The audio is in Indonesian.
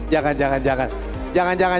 jangan jangan jangan